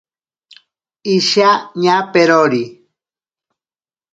Isha ñaperori.